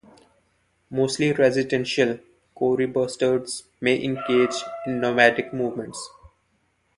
Mostly residential, kori bustards may engage in nomadic movements.